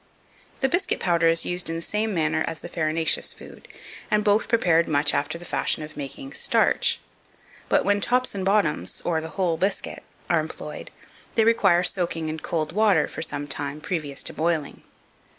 2505. The biscuit powder is used in the same manner as the farinaceous food, and both prepared much after the fashion of making starch. But when tops and bottoms, or the whole biscuit, are employed, they require soaking in cold water for some time previous to boiling.